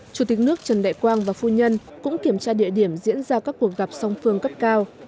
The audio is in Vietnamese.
chủ tịch nước trần đại quang và phu nhân cũng kiểm tra địa điểm diễn ra các cuộc gặp song phương cấp cao